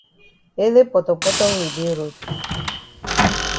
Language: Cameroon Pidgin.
Ele potopoto wey yi dey road.